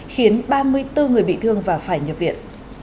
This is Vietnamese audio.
khiến ba mươi bốn người bị thương và phải nhập viện